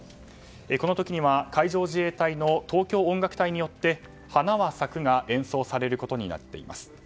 この時には海上自衛隊の東京音楽隊によって「花は咲く」が演奏されることになっています。